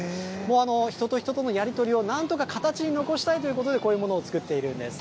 人と人とのやり取りを、なんとか形に残したいということで、こういうものを作っているんです。